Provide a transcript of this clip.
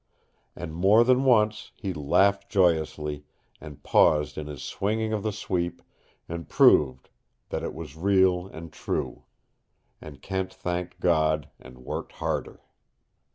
And more than once he laughed joyously, and paused in his swinging of the sweep, and proved that it was real and true. And Kent thanked God, and worked harder.